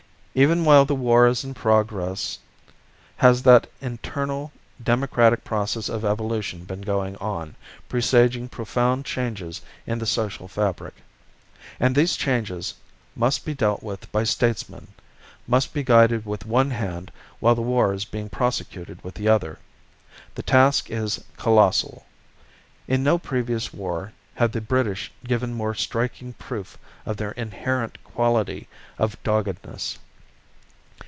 Even while the war is in progress has that internal democratic process of evolution been going on, presaging profound changes in the social fabric. And these changes must be dealt with by statesmen, must be guided with one hand while the war is being prosecuted with the other. The task is colossal. In no previous war have the British given more striking proof of their inherent quality of doggedness.